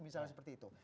misalnya seperti itu